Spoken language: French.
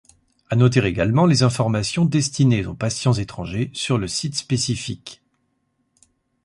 A noter également les informations destinées aux patients étrangerssur le site spécifique.